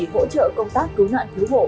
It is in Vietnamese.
hỗ trợ công tác cứu nạn cứu hộ